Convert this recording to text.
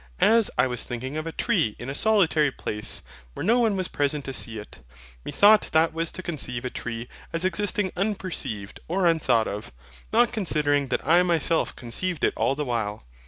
As I was thinking of a tree in a solitary place, where no one was present to see it, methought that was to conceive a tree as existing unperceived or unthought of; not considering that I myself conceived it all the while.